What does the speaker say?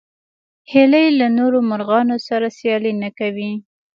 هیلۍ له نورو مرغانو سره سیالي نه کوي